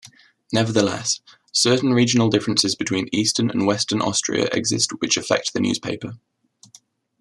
Nevertheless, certain regional differences between eastern and western Austria exist which affect the newspaper.